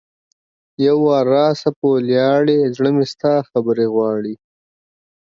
یو وار راسه په ولیاړې ـ زړه مې ستا خبرې غواړي